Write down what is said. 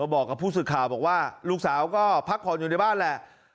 บอกกับผู้สื่อข่าวบอกว่าลูกสาวก็พักผ่อนอยู่ในบ้านแหละ